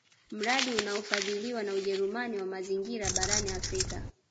Mradi unaofadhiliwa na Ujerumani wa mazingira barani Afrika